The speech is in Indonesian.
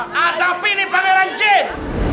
hadapi nih pangeran jin